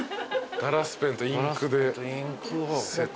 ガラスペンとインクのセット。